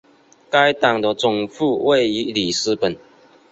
该党的总部位于里斯本。